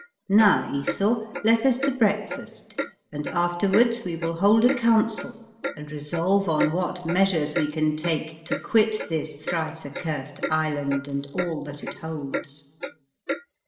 Now, Esau, let us to breakfast, and afterwards we will hold a council and resolve on what measures we can take to quit this thrice accurst island, and all that it holds."